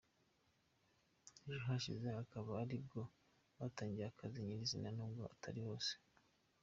Ejo hashize akaba aribwo batangiye akazi nyirizina nubwo atari bose.